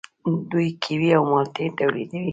دوی کیوي او مالټې تولیدوي.